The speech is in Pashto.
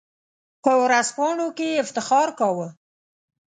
په ورځپاڼو کې یې افتخار کاوه.